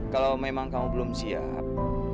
kalau memang kamu belum siap